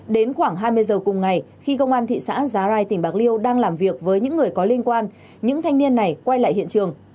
đến khoảng hai mươi giờ cùng ngày khi công an thị xã giá rai tỉnh bạc liêu đang làm việc với những người có liên quan những thanh niên này quay lại hiện trường